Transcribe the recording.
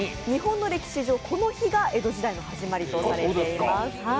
日本の歴史上、この日が江戸時代の始まりとされています。